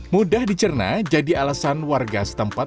mudah dicerna jadi alasan warga setempat